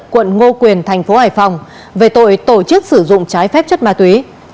quận ngô quyền thành phố hải phòng về tội tổ chức sử dụng trái phép chất ma túy